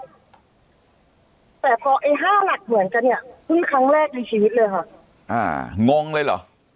แต่พอไอ้ห้าหลักเหมือนกันเนี่ยเพิ่งครั้งแรกในชีวิตเลยค่ะอ่างงเลยเหรอ